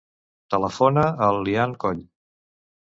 Telefona al Lian Coll.